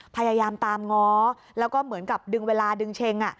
พยายามตามง้อแล้วก็เหมือนกับดึงเวลาดึงเช็ง